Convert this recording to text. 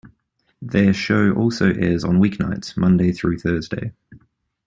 Their show also airs on weeknights, Monday through Thursday.